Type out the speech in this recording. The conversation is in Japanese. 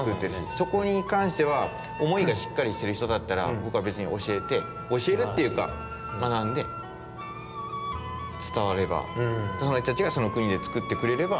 そこにかんしてはおもいがしっかりしてるひとだったらぼくはべつにおしえておしえるっていうかまなんでつたわればそのひとたちがそのくにでつくってくれれば。